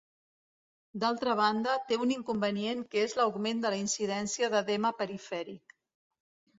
D'altra banda, té un inconvenient que és l'augment de la incidència d'edema perifèric.